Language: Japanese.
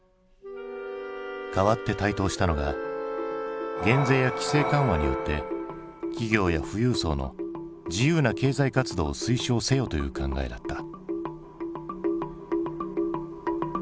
かわって台頭したのが減税や規制緩和によって企業や富裕層の自由な経済活動を推奨せよという考えだった。